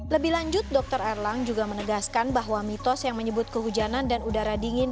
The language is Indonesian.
lebih lanjut dr erlang juga menegaskan bahwa mitos yang menyebut kehujanan dan udara dingin